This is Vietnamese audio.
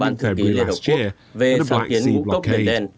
bàn thử ký liên hợp quốc về sản kiến ngũ cốc biển đen